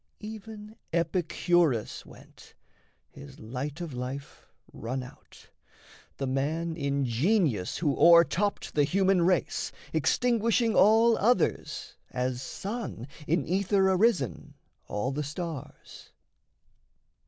Even Epicurus went, his light of life Run out, the man in genius who o'er topped The human race, extinguishing all others, As sun, in ether arisen, all the stars.